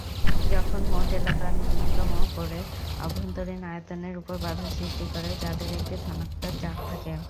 যখন মোট এলাকা নূন্যতম করে অভ্যন্তরীণ আয়তন এর উপর বাধা সৃষ্টি করে, যাদের একটি ধনাত্মক চাপ থাকে।